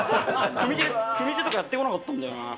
組み手とかやってこなかったんだよな。